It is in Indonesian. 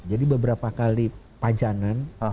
jadi beberapa kali pancanan